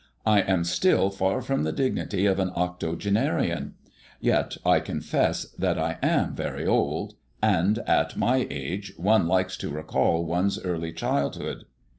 I am still far from the dignity of an octogenarian; yet I confess that I am very old, and at my age one likes to recall one's early childhood.